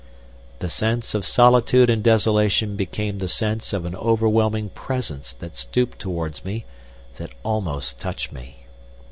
The sense of solitude and desolation became the sense of an overwhelming presence that stooped towards me, that almost touched me.